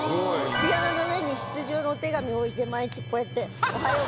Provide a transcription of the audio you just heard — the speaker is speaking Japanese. ピアノの上に出場のお手紙置いて毎日こうやって。